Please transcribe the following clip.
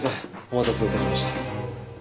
お待たせいたしました。